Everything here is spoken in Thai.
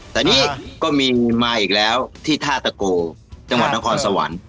แต่นี่ก็มีมาอีกแล้วที่ท่าตะโกจังหวัดนครสวรรค์